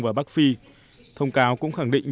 và bắc phi thông cáo cũng khẳng định